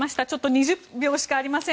２０秒しかありません。